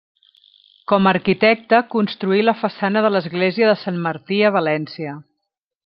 Com a arquitecte construí la façana de l'església de sant Martí a València.